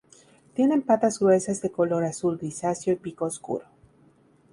Tienen patas gruesas de color azul grisáceo y pico oscuro.